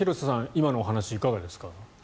今のお話、いかがですか。